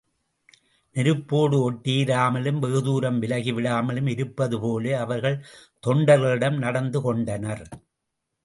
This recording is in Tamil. குளிர்காய்வதற்கு, நெருப்போடு ஒட்டியிராமலும் வெகுதுரம் விலகிவிடாமலும் இருப்பது போல, அவர்கள் தொண்டர்களிடம் நடந்து கொண்டனர்.